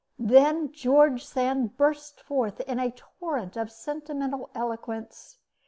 Then George Sand burst forth in a torrent of sentimental eloquence.